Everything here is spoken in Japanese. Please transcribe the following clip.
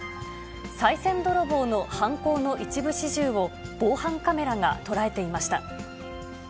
さい銭泥棒の犯行の一部始終を防犯カメラが捉えていました。